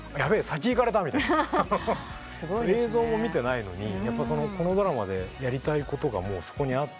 先いかれた」映像も見てないのにこのドラマでやりたいことがもうそこにあって。